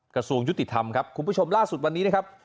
กระทรวงยุติธรรมครับคุณผู้ชมล่าสุดวันนี้นะครับ